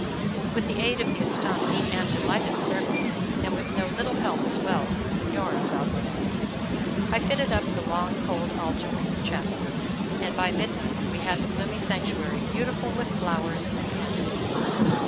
With the aid of the astonished and delighted servants, and no little help as well from Signora Valguanera, I fitted up the long cold Altar in the chapel, and by midnight we had the gloomy sanctuary beautiful with flowers and candles.